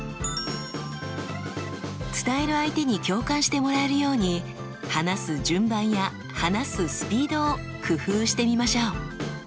伝える相手に共感してもらえるように話す順番や話すスピードを工夫してみましょう。